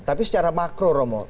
tapi secara makro romo